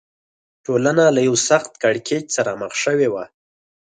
ټولنه له یوه سخت کړکېچ سره مخ شوې وه.